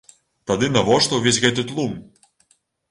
Тады навошта ўвесь гэты тлум?